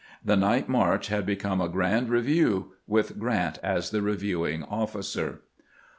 The night march had become a grand review, with Grant as the reviewing officer.